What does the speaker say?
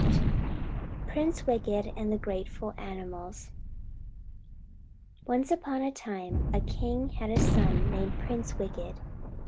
XIX PRINCE WICKED AND THE GRATEFUL ANIMALS Once upon a time a king had a son named Prince Wicked.